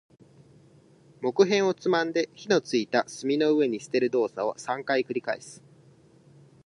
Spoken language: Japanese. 木片をつまんで、火の付いた炭の上に捨てる動作を三回繰り返す。